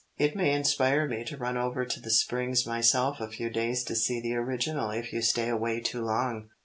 It may inspire me to run over to the Springs myself a few days to see the original if you stay away too long."